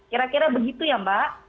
kira kira begitu ya mbak